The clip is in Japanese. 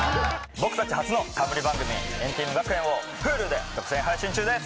僕たち初の冠番組『＆ＴＥＡＭ学園』をＨｕｌｕで独占配信中です！